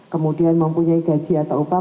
kemudian mempunyai gaji atau upah